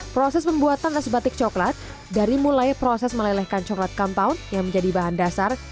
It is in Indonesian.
proses pembuatan es batik coklat dari mulai proses melelehkan coklat compound yang menjadi bahan dasar